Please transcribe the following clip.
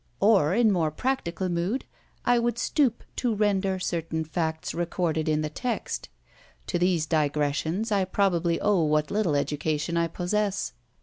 Or, in more practical mood, I would stoop to render certain facts recorded in the text. To these digressions I probably owe what little education I possess.